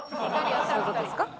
そういう事ですか？